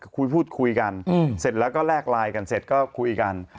คุยพูดคุยกันเสร็จแล้วก็แลกไลน์กันเสร็จก็คุยกัน